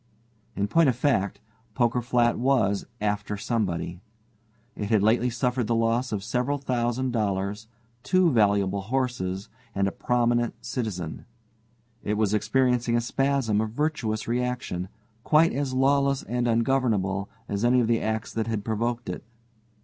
In point of fact, Poker Flat was "after somebody." It had lately suffered the loss of several thousand dollars, two valuable horses, and a prominent citizen. It was experiencing a spasm of virtuous reaction, quite as lawless and ungovernable as any of the acts that had provoked it.